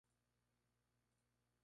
Se divide en tres áreas o zonas.